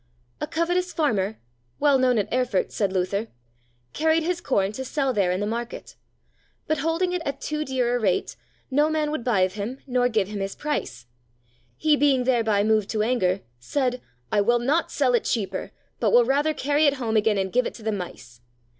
A covetous farmer, well known at Erfurt, said Luther, carried his corn to sell there in the market; but holding it at too dear a rate, no man would buy of him nor give him his price; he being thereby moved to anger, said, "I will not sell it cheaper, but will rather carry it home again and give it to the mice."